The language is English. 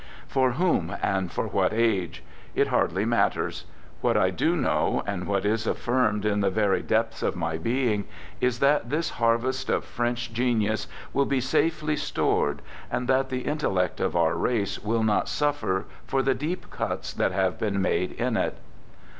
For whom and for what age? It hardly matters. What I do know, and what is affirmed in the very depths of my being, is that this harvest of French genius will be safely stored, and that the intellect of our race will not suffer for the deep cuts that have been made in it.